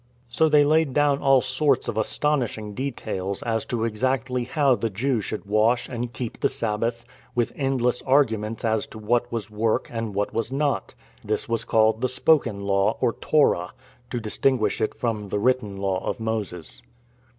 So they laid down all sorts of astonish THE GOLDEN AGE 55 ing details as to exactly how the Jew should wash and keep the Sabbath, with endless arguments as to what was work and what was not. This was called the Spoken Law (or Torah), to distinguish it from the written law of Moses.